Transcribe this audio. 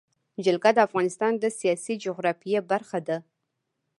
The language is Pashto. جلګه د افغانستان د سیاسي جغرافیه برخه ده.